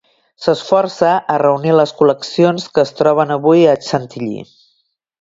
S'esforça a reunir les col·leccions que es troben avui a Chantilly.